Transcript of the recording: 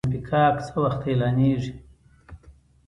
انفکاک څه وخت اعلانیږي؟